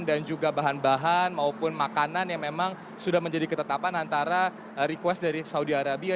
dan juga bahan bahan maupun makanan yang memang sudah menjadi ketetapan antara request dari saudi arabia